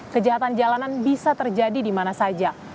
kejahatan jalanan bisa terjadi di mana saja